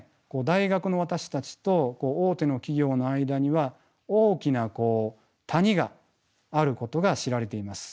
大学の私たちと大手の企業の間には大きな谷があることが知られています。